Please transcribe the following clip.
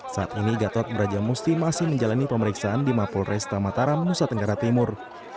saat ini gatot brajamusti masih menjalani pemeriksaan di mapul restamatara nusa tenggara timur